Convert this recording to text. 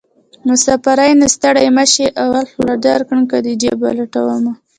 مسافرۍ نه ستړی مشې اول خوله درکړم که دې جېب ولټومه